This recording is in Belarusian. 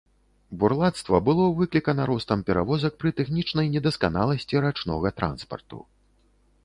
Бурлацтва было выклікана ростам перавозак пры тэхнічнай недасканаласці рачнога транспарту.